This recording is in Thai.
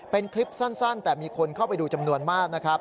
เป็นคลิปสั้นแต่มีคนเข้าไปดูจำนวนมากนะครับ